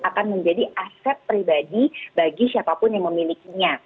akan menjadi aset pribadi bagi siapapun yang memilikinya